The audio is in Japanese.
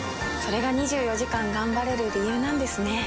れが２４時間頑張れる理由なんですね。